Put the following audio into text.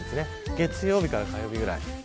月曜日から火曜日くらい。